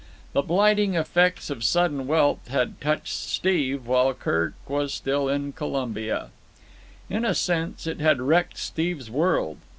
The blighting effects of sudden wealth had touched Steve while Kirk was still in Colombia. In a sense, it had wrecked Steve's world.